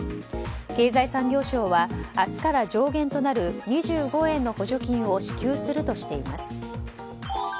経済産業省は明日から上限となる２５円の補助金を支給するとしています。